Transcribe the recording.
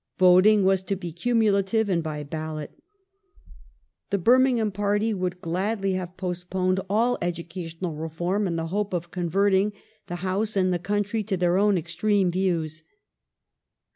Voting was ,to be cumulative, and by ballot.^ The Birmingham party would gladly have postponed all educational reform in the hope of con verting the House and the country to their own extreme views.